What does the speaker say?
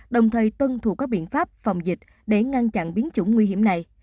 đồng thời tuân thủ các biện pháp phòng dịch để ngăn chặn biến chủng nguy hiểm này